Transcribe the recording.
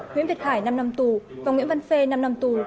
nguyễn việt hải năm năm tù và nguyễn văn phê năm năm tù